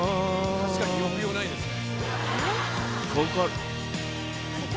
確かに抑揚ないですね。